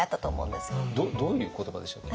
どういう言葉でしたっけ？